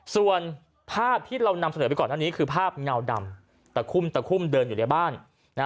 ส่วนภาพที่เรานำเสนอไปก่อนหน้านี้คือภาพเงาดำตะคุ่มตะคุ่มเดินอยู่ในบ้าน